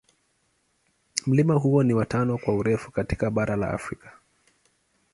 Mlima huo ni wa tano kwa urefu katika bara la Afrika.